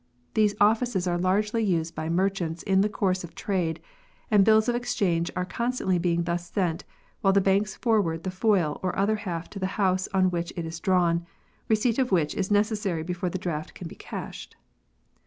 These offices are largely used by merchants in the course of trade, and bills of exchange are constantly being thus sent, while the banks forward the foil or other half to the house on which it is drawn, receipt of which is necessary before the draft can be cashed.